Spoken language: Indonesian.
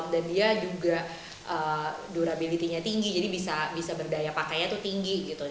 dan dia juga durability nya tinggi jadi bisa berdaya pakaian itu tinggi gitu